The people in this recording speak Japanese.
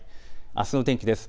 あすの天気です。